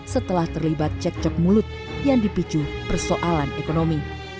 setelah terlibat cek cek mulut yang dipicu persoalan ekonomi